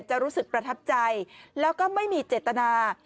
รู้สึกประทับใจแล้วก็ไม่มีเจตนา